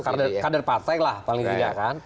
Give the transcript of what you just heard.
ya kader kader patek lah paling tidak kan